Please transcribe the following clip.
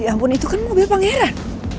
ya ampun itu kan mobil pangeran